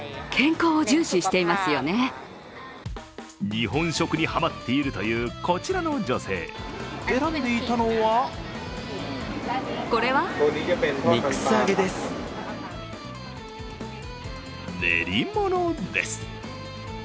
日本食にはまっているというこちらの女性、偉いでいたのは練り物です。